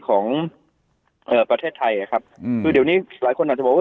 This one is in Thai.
ของเอ่อประเทศไทยอ่ะครับอืมคือเดี๋ยวนี้หลายคนอาจจะบอกว่า